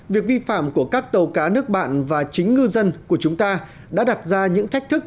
việc vi phạm của các tàu cá nước bạn và chính ngư dân của chúng ta đã đặt ra những thách thức